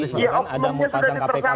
ya oknumnya sudah dipertanggahkan